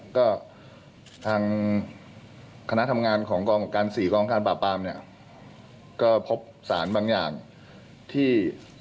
ก็ทางคณะทำงานของกองการ๔กองการปราบปรามเนี่ยก็พบสารบางอย่างที่